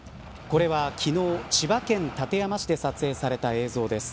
これは昨日、千葉県館山市で撮影された映像です。